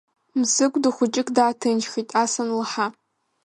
Мсыгәда хәыҷык дааҭынчхеит, ас анлаҳа.